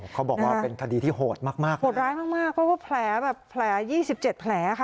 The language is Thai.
เขาบอกว่าเป็นทดีร์ที่โหดมากมากโหดร้ายมากมากเพราะว่าแผลแบบแผลยี่สิบเจ็ดแผลค่ะ